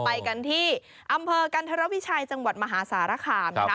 ไปกันที่อำเภอกันธรวิชัยจังหวัดมหาสารคามนะคะ